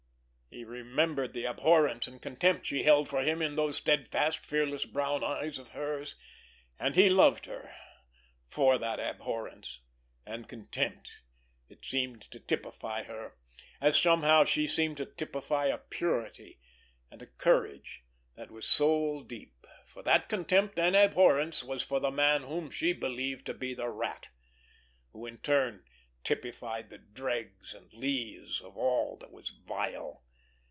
He remembered the abhorrence and contempt she held for him in those steadfast, fearless brown eyes of hers, and he loved her for that abhorrence and contempt. It seemed to typify her, as somehow she seemed to typify a purity and a courage that was soul deep—for that contempt and abhorrence was for the man whom she believed to be the Rat, who in turn typified the dregs and lees of all that was vile.